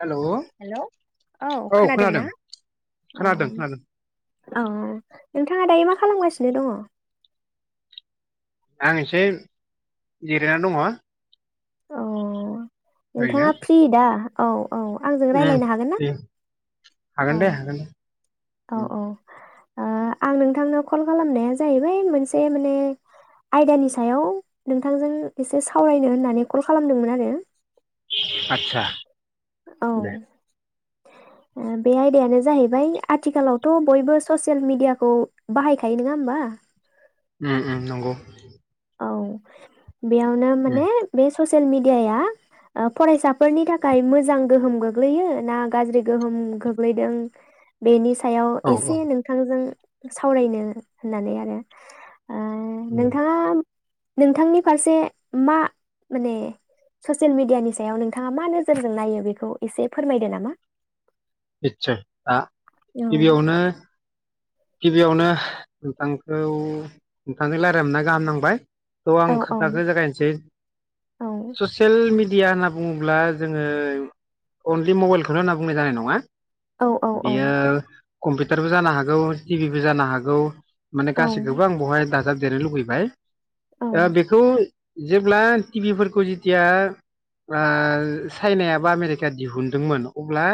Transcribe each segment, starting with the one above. Hello hello औ खोनादोंना औ खोनादों खोनादों औ औ नोंथाङा दायो मा खालामगासिनो दङ आं एसे जिरायना दङ। अह ओरैनो नोंथाङा फ्रि दा औ। औ आंजों उम राय्लायनो हागोन ना दे हागोन औ दे हागोन दे औ उम औ आ आं नोंथांनो कल खालामनाया जाहैबाय मोनसे माने आयदानि सायाव नोंथांजों एसे सावरायनो होननानै कल खालामदोंमोन आरो, [unintelligible] आदसा औ दे बे आयदायानो जाहैबाय आथिखालावथ बयबो ससियेल मिडियाखौ बाहायखायो नङा होमबा? उम उम नंगौ। औ बेयावनो उम माने बे स ससियेल मिडियाया ओ फरायसाफोरनि थाखाय मोजां गोहोम गोग्लैयो ना गाज्रि गोहोम गोग्लैदों बेनि सायाव औ औ एसे नोंथांजों सावरायनो होननानै आरो ओ उम नोंथाङा नोंथांनि फारसे मा माने ससियेल मिडियानि सायाव नोंथाङा मा नोजोरजों नायो बेखौ एसे फोरमायदो नामा आचसा दा औ गिबियावनो। गिबियावनो नोंथांखौ नोंथांजों रायलायनो मोनना गाहाम नांबाय। आं औ औ खोन्थाखौ जागायनोसै ससियेल मिडिया। इदिया होनना बुङोब्ला जोङो अनलि मबाइलखौनो होनना बुंनाय जानाय नङा। औ औ बियो औ कम्पिउटारबो जानो हागौ टिभिबो जानो हागौ। माने औ गासिखौबो आं बहाय दाजाब जेनेलुबैबाय अ ओ बेखौ जेब्ला टिभिफोरखौ जथिया ओ चाइनाय बा आमेरिका दिहुनदोंमोन अब्ला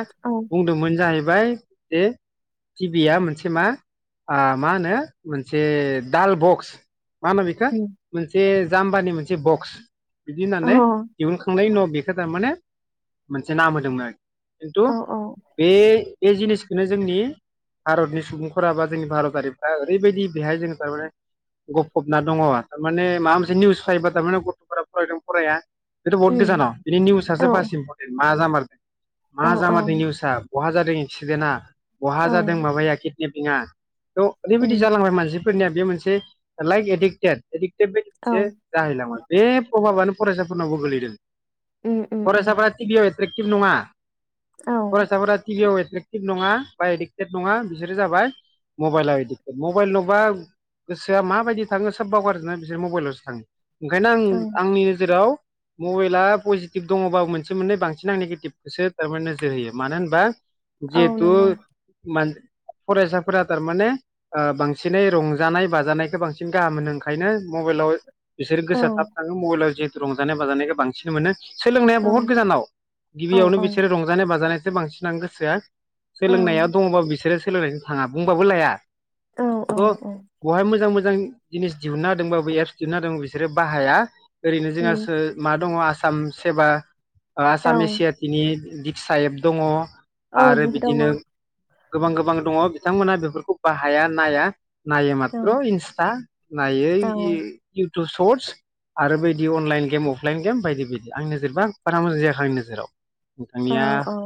बुंदोंमोन जाहै बाय बे टिभिया मोनसे मा आ मा होनो मोनसे दाल बक्स मा होनो बेखौ मोनसे जाम्बानि मोनसे बक्स बिदि होननानै दिहुनखांनायनि बेखोथा माने मोनसे नाम होदोंमोन खिन्थु औ बे बे जिनिसखौनो जोंनि भारतनि सुबुंफोरा बा जोंनि भारतारिफ्रा ओरैबायदि बेहाय जों थारमाने गफबना दङ थारमाने माबा मोनसे निउस फायोबा थारमाने गथफोरा फरायदों फराया बेथ' बहुत उम गोजानाव बे औ निउसो बास इमपर मा जामार औ मा औ जामारदों नुयस। [unintelligible] बहा जादों एक्सिदेन्टा बहा औ जादों माबायाखि [unintelligible] थ ओरैबायदि उम जालांबाय मानसि फोरनिया बे मोनसे लाइक एडिक्टेड। एदिक्टे औ बेसे जाहैलाङा बे प्रभाबानो फरायसाफोरनावबो गोलैदों उम उम उम फरायसाफोरा पिदिअ एक्टिभ नङा। औ फरायसाफोरा टिभिआव एडक्टि नङा बा एदिक्टेड नङा बिसोरो जाबाय मबाइलाव एदिक्टेड मबाइल नुबा गोसोआ माबायदि थाङो सोब बावगारजोबा बिसोर मबाइलावसो थाङो ओंखायनो आं औ आंनि नोजोराव मबाइला पजिटिभ दङबाबो मोनसे मोननै बांसिन आं निगेटिभखौसो थारमाने नोजोर होयो। मानो होनबा औ जेहेथु नंगौ मान फरायसाफोरा थारमाने ओ बांसिनै रंजानाय बाजानायखौ बांसिन गाहाम मोनो ओंखायनो मबाइलाव बिसोर औ गोसोआ थाब थाङो मबाइलाव जे रंजानाय बाजानायखौ बांसिन मोनो सोलोंनाया औ बहुत गोजानाव औ गिबियावनो औ बिसोरो रंजानाय बाजानाय बांसिनानो गोसोथाया सोलोंनाया दङबा बिसोरो सो सोलोंनायजो थाङा बुंबाबो लाया औ औ अ औ ब'हाय मोजां मोजां जिनिस दिहुनना होदोंबाबो एप्स दिहुनना होदों बिसोरो बाहाया ओरैनो उम जोंहासो मा दङ आस साम सेबा ओ औ आसामिस सियातिनि दिक्सा एप्प दङ आरो दङ बिदिनो गोबां गोबां दङ बिथांमोना बेफोरखौ बाहाया नाया नायो औ माथ्र' इन्सटा नायो इ-इउ टु सर्टस आरो बायदि अनलाइन गेम अफलाइन गेम बायदि बायदि आंनि नोजोरबा बारा मोजां जायाखै आंनि नोजोराव औ नोंथांनिया औ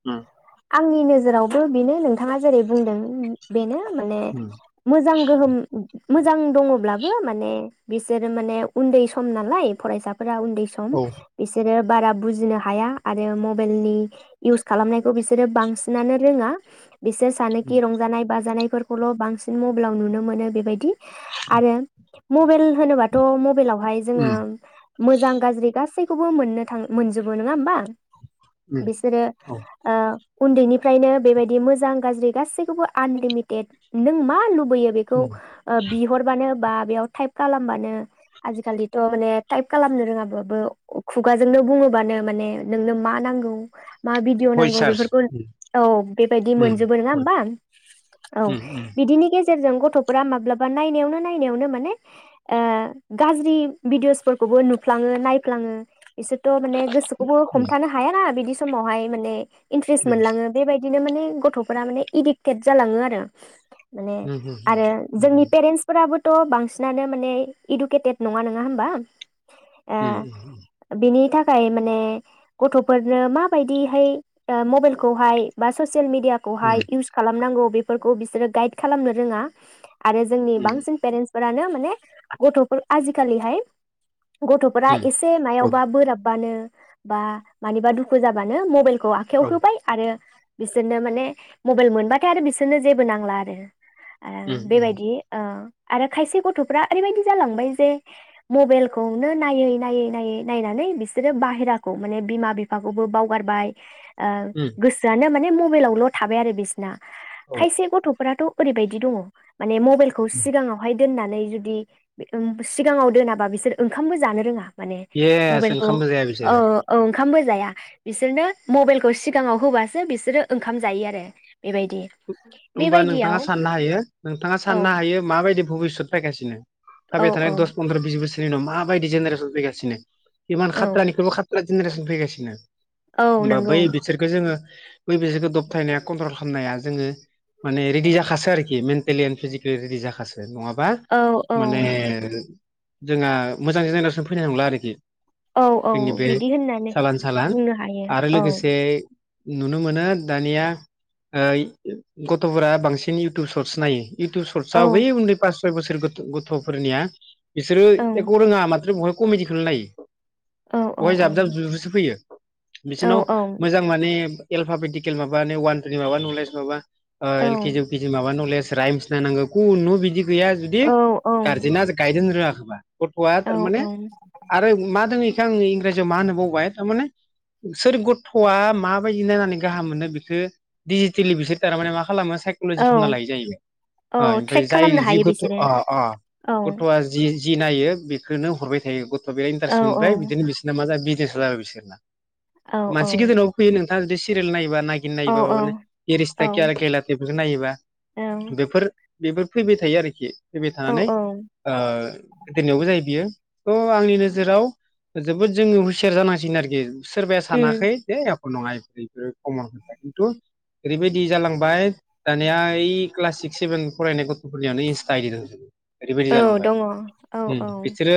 [unintelligible] आंनि नोजोरावबो बेनो नोंथाङा जेरै बुंदों ओम बेनो माने उम मोजां गोहोम मोजां दङब्लाबो माने बिसोरो माने उन्दै सम नालाय फरायसा फोरा उन्दै सम औ बिसोरो बारा बुजिनो हाया आरो मबेइलनि इउस खालामनायखौ बिसोरो बांसिनानो रोङा। बिसोर सानोखि उम रंजानाय बाजानाय फोरखौल' बांसिन मबेलाव नुनो मोनो बेबायदि। आरो मबेइल होनोबाथ' मबेलावहाय जोङो उम मोजां गाज्रि गासै बखौबो मोननो थाङो मोनजोबो नङा ओमबा? उम बिसोरो औ ओ उन्दैनिफ्रायनो बेबायदि मोजां गाज्रि गासैखौबो आनलिमिटेड नों मा लुबै यो बेखौ उम ओ बिहरबानो बा बेयाव टाइप खालामबानो आजिखालिथ' माने टाइप खालामनो रोङाबाबो खुगाजोंनो बुङोबानो माने नोंनो मा नांगौ मा भिडिअ हय नांगौ सार बेफोरखौ उम औ बेबायदि उम मोनजोबो नंङा हय होमबा औ उम उम बिदिनि गेजे सेरजों गथ'फोरा माब्लाबा नायनायावनो नायनायावनो माने ओ गाज्रि भिदिअसफोरखौबो नुफ्लाङो नायफ्लाङो। बिसोरथ' माने गोसोखौबो उम हमथानो हायाना बिदि स मावहाय माने इन्ट्रेस्ट उम मोनलाङो बेबायदि बिदिनो माने गथफोरा माने इडिक्टेट जालाङो आरो माने उम उम आरो नंगौ जोंनि पेरेन्टस फोराबो थ बांसिनानो माने इडुकेटेद नङा नोङा होमबा। ओ उम बिनि थाखा ओमफ्राय माने गथ'फोरनो मा बादिहाय ओ मबाइखौहाय बा ससि सियेल मिडियाखौहाय उम इउस खालामनांगौ। बेफोरखौ बिसोरो गाइद खालामनो रोङा। आरो जोंनि उम बांसिन पेरेन्टस फोरानो माने गथ'फोर आजिकालिहाय गथ'फोरा उम एसे औ मायावबा बोराब बानो बा मनिबा दुखु होजाबानो मबाइल खौ आखाइायाव औ होबाय आरो बिसोरनो माने मबाइल मोनबाथाय आरो बिसोरनो जेबो नांला आरो। आ उम उम बेबायदि ओ आरो खायसे गथ'फ्रा ओरैबायदि जालांबाय जे मबाइलखौनो नायै नायै नायै नायनानै बिसोरो बाहेराखौ माने बिमा बि बिफाखौबो बावगारबाय। ओ उम गोसोआनो माने माने मबाइलावल' थाबाय आरो बिसिना औ खायसे गथ'फोराथ' ओरैबायदि दंङ माने मबाइलखौ सिगाङावहाय दोननानै जुदि ओम सिगाङाव दोनाबा बिसोर ओंखामबो जानो रोङा। माने येस मबाइलखौ ओंखामबो जाया औ बिसोरो औ ओंखामबो जाया। बिसोरनो मबाइलखौ सिगाङाव होबासो बिसोरो ओंखाम जायो आरो बेबायदि। ओमबा नोंथाङा बेबायदियाव साननो हायो नोंथाङा औ साननो हायो माबायदि भबिसत फायगासिनो। औ फायबाइ थानाय औ दस पन्द्र बिस बोसोर उनाव मा बायिदि जेनेरेसन फैगासिनो इमान औ खाता्निखु्यबो खाता्सिन जेनेरेसन फैगासिनो। औ ओमबा बै नंगौ बिसोरखो जोङो बै बिसोरखौ दबथायनाया कन्ट्रल खामनाया जोङो माने रेडि जाखासो आरोखि मेन प्लेन फिजिकेल रेडि जाखासो नङाबा औ औ माने जोंहा मोजां जेनेरेसन फैनाय नंला आरोखि। औ औ जोंनि बे बिदि होननानै सालान साला बुंनो हायो आरो औ। लोगोसे नुनो मोनो दानिया गथफोरा बांसिन इउटुब सर्टस नायो। इउटुब औ सर्टसआव बै उन्दै पास खै बोसोर गथफोरनिया बिसोरो औ एक रोङा मात बहाय। कमेडिखौनो नायो। औ औ बहाय औ जाब जाब जुब जुबसो फैयो। औ बिसोरनाव औ मोजां माने एलफापेटिकेल माबानि वान टुनि माबा नलेज माबा एलकेजि औ इउकेजि माबा नलेज रायमस नायनांगौ कुनु बिदि गैया जुदि औ गारजेना गायद होनो रोङा गोबा गथ'आ औ तारमाने औ आरो मा दोंओ आङो इंराजियाव मा होनो बावबाय तामाने सोर गथ'आ माबायदि नायनानै गाहाम मोनो बेखो डिजिटेलि बिसोर तारमाने मा खालामो साइकलजि औ खालामना लायो जाहैयो औ ओ ओमफाय ट्रेक जाय खालामनो जि हायो गथ' बिसोरो अ अ औ गथआ जि जि नायो बेखोनो हरबाय थायो ग बिहाय औ इनटारेस्ट औ मोनबाय बिदिनो बिसिना मा जा बि खेस्रा बिसोरना औ औ मानसि गेजेरनाव फैयो नों आलदि सिरियाल नायोबा नायगिन औ नायोब्ला औ माबानि ये रिसथा औ किया केहेलाथ बेखौ नायोबा बेफोर बेफोर फैबाय थायो आरो खि फैबाय थानानै ओ गोदोननियावबो जायो बियो। अ आंनि नोजोराव जोबोद जोङो हुसियार जानांसिगोन आरोखि। सोरबाया उम सानाखै जे एक नङा एफोर-एफोर खम्मन खिन्थु ओरैबायदि जालांबाय। दानिया इ क्लास सिक्स सेभेन फरायनाय गथफोरनियावानो इन्स्टा आइडि दंजुबो। ओरैबायदि औ जालांबाय दङ औ औ हुम बिसोरो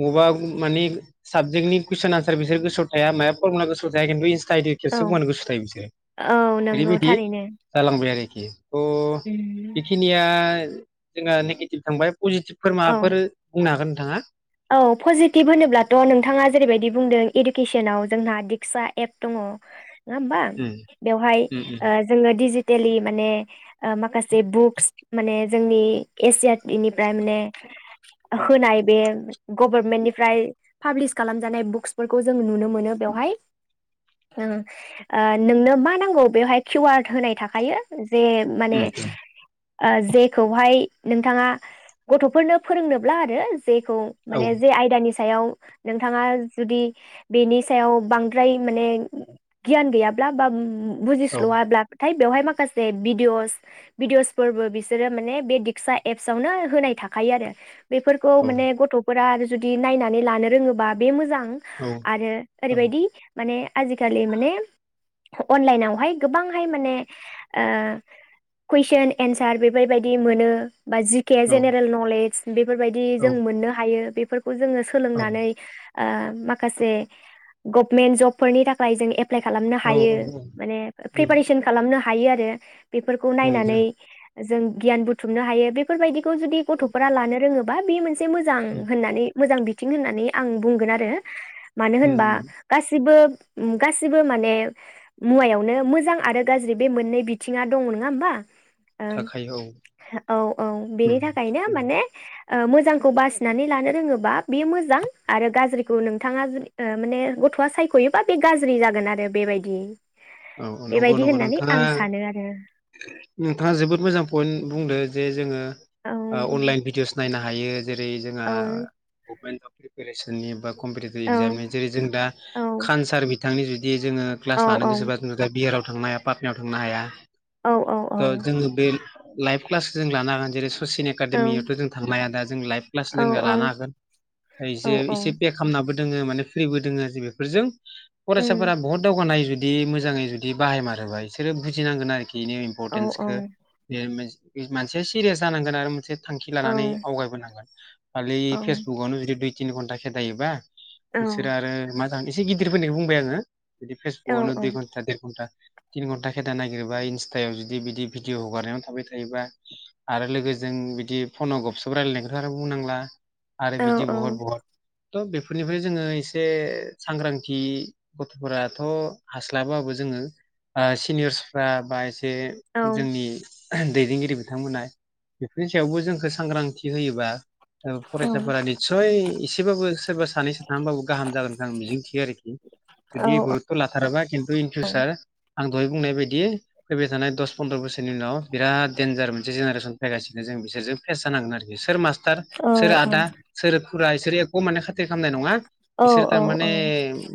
मबा बु मानि साबजेक्टनि कुइसन आनसार बिसोर गोसोआव थाया माया फरमुला गोसोआव थाया खिन्थु इन्स्टा आइदि खेबस औ बुंबानो गोसुआव थायो बिसोरो औ नंगौ ओरैबायदि थारैनो जालांबाय आरो [inaudible] अ उम बेखिनिया जोङो नेगेटिभ थांबाय। पजिटिभफोर औ माबाफोर बुंनो हागोन थाङा औ पजिटिभ होनोब्लाथ नोंथाङा जेरैबायदि बुंदों इडुकेसनाव जोंहा दिक्सा एप दङ। नङा होमबा उम बेवहाय उम ओ जोङो दिजि देलि माने ओ माखासे बुक्स माने जोंनि एसियादनिफ्राय माने होनाय बे गभरमेन्टनिफ्राय पाब्लिस खालामजानाय बुक्सफोरखौ जों नुनो मोनो बेवहाय ओ नोंओ नोंनो मा नांगौ बेवहाय किउ आर होनाय थाखायो। जे माने उम ओ जेखौहाय नोंथाङा गथ'फोरनो फोरोंनोब्ला आरो जेखौ औ माने जे आयदानि सा सायाव नोंथाङा जुदि बेनि सायाव बांद्राय माने गियान गैयाब्ला बा बुजिस्लवाब्ला थाय बेवहाय माखासे भिदिअस भिदिअसफोरबो बिसोरो माने बे दिक्सा एप्सावनो होनाय थाखायो आरो। बेफोरखौ औ माने गथ दा आरो जुदि नायनानै लानो रोङोबा बे मोजां। औ आरो ओरैबायदि माने आजि खालि माने अनलाइनावहाय गोबांहाय माने ओ कुइसन एन्सार बेफायबायदि मोनो। बा जि के जेनेरेल नलेज। बेफोर बायदि जों औ मोननो हायो बेफो खौ जोङो सोलोंनानै औ ओ माखासे गभमेन्ट जबफोरनि थाखाय जों एप्लाय खालामनो औ हायो औ माने उम प्रिपारेसन खालामनो हा हायो आरो बेफोरखौ उम जों नायनानै जों गियान बुथुमनो हायो बेफोरबायदि खौ जुदि औ गथ'फोरा लानो रोङो बा बे मोनसे मोजां उम होननानै मोजां बिथिं होननानै आं बुंगोन आरो। मानो होनबा उम गासिबो गासिबो माने मुवायावनो मोजां आरो गाज्रि बे मोननै बिथिङा दङ नङा होनबा? थाखायो औ औ औ बेनि उम थाखायनो उम माने मोजांखौ बासि नानै लानो रोङोबा बेयो मोजां आरो गाज्रिखौ नोंथाङा माने गथ'आ सायख'योबा बे गाज्रि जागोन आरो बेबायदि। औ औ नंगौ बेबायदि नंगौ होननानै नोंथाङा आं सानो आरो नोंथाङा जोबोद मोजां पइन्ट बुंदो जे जोङो औ अनलाइन भिदिअस नायना हायो जेरै जोंहा औ गभमेन्ट जब [unintelligible] कम्पेटिटिभ औ इजाम जेरै जों दा औ खानसार बिथांनि जु बिदि जोङो औ क्लास लानो गोसोबा बिहाराव थांनो हाया पाटनायाव थांनो हाया। औ ओ जोङो बे लाइभ क्लास जों लानो हागोन जेरै कसिन एकादेमियावथ' जों थांनो हाया दा जों लाइभ क्लास औ जोङो लानो हागोन औ आइजो औ इसे पे खालामनाबो दोङो माने फ्रिबो दोङो जि बेफोरजों उम फरायसाफोरा बहुद दावगाननाय जुद दे मोज मोजाङै जुदि बाहायमारोबा इसोरो बुजिनांगोन आरोखि। इदिनो औ औ इमपर्टेन्सखो ए मे मानसिया सिरियास जानांगोन आरो मोनसे थांखि औ लानानै आवगायबोनांगोन। खालि औ फेसबुकावनो जुदि दु तिन घन्टा खेदायोबा औ बिसोरो आरो मा जा एसे गिदिरफोरनि बुंबाय आङो। जदि औ फेसबुकवनो जेमान देर घन्टा तिन घन्टा खेदा नागिरबा इन्स्टायाव जुदि बिदि भिडिअ हगारनायाव थाबाय थायोबा आरो लोगोजों बिदि फनाव गबसब रायलायनायखौथ' आरो बुंनांला। आरो बिदि बहत बहत थ बेफोरनिफ्राय जोङो एसे सांग्रांथि गथ'फोराथ हास्लाब लाबाबो जोङो सिनिर्स्राफ्राबा बे औ जोंनि दैदेनगिरि बिथांमोना बेफोरनि सायावबो जोंखौ सांग्रांथि होयोबा ओ फरायसाफोरा निटसय इस [unintelligible] सोरबा सानैसो थांबाबो गाहाम जागोनखो आं मिजिं थियो आरोखि जुदि गुरुथ लाथाराबा खिन दुय इनथु सार आं दहाय बुंनाय बायदि फैबाय थानाय दस फन्द्र बोसोरनि उनाव बिराद देन्जार मोनसे जेनेरेसन फैगासिनो जों बिसोरजों फेस जानांगोन आरोखि सोर मास टार सोर आदा सोरो फुरा इसोर एक माने खाथि खालामनाय नङा बिसोरो थामाने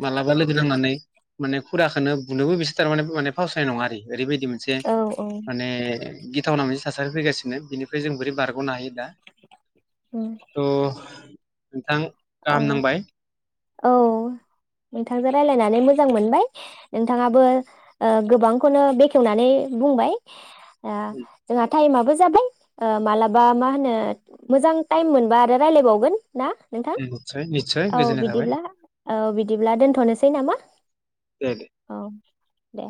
मालाबा लोगो नांनानै। माने फुराखोनो बुनोबो बिसोर थारमाने माने फावसनाय नङा आरो। ओरैबायदि मोनसे माने। गिथावना मोनसे थासारि फैगासिनो बिनिफ्राय जों बोरै बारग'नो हायो दा। अ नोंथां औ गाहाम नांबाय। औ नोंथांजों रायलायनानै मोजां मोनबाय नोंथाङाबो गोबांखौनो बेखेवनानै बुंबाय। ओ जोंहा टाइमाबबो जाबाय ओ मालाबा मा होनो मोजां टाइम मोनबा आरो रायलायबावगोन। ना नोंथां निसय निसय औ गो बिदिब्ला ओ बि बिदिब्ला दोनथनोसै नामा? जायाखै औ दे।